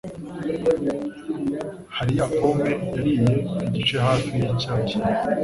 Hafi ya pome yariye igice hafi yicyayi.